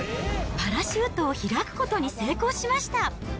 パラシュートを開くことに成功しました。